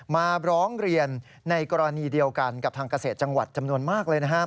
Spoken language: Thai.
มาร้องเรียนในกรณีเดียวกันกับทางเกษตรจังหวัดจำนวนมากเลยนะครับ